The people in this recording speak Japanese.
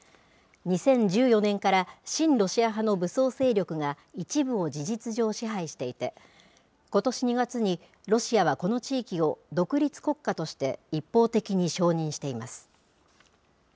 ２０１４年から親ロシア派の武装勢力が一部を事実上支配していて、ことし２月にロシアはこの地域を独立国家として一方的に承認しています。